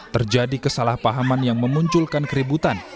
terjadi kesalahpahaman yang memunculkan keributan